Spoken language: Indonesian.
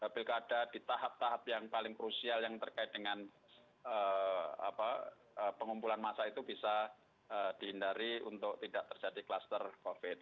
pilkada di tahap tahap yang paling krusial yang terkait dengan pengumpulan masa itu bisa dihindari untuk tidak terjadi kluster covid